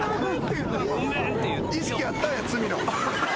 意識あったんや罪の。